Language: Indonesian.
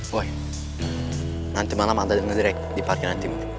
woy nanti malam ada dengerin di parkir nanti